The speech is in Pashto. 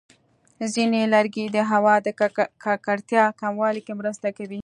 ځینې لرګي د هوا د ککړتیا کمولو کې مرسته کوي.